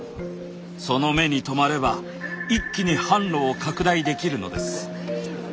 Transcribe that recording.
その目に留まれば一気に販路を拡大できるのです。